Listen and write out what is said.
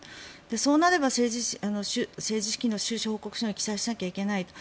そうなれば政治資金の収支報告書に記載しなければいけないと。